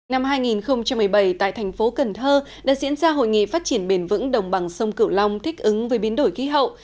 năm hai nghìn một mươi bảy tại thành phố cần thơ đã diễn ra hội nghị phát triển bền vững đồng bằng sông cửu long thích ứng với biến đổi khí hậu